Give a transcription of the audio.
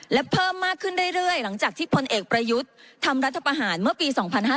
และเพิ่มมากขึ้นเรื่อยหลังจากที่พลเอกประยุทธ์ทำรัฐประหารเมื่อปี๒๕๕๙